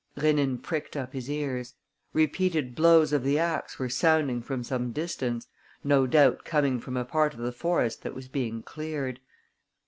Rénine pricked up his ears. Repeated blows of the axe were sounding from some distance, no doubt coming from a part of the forest that was being cleared.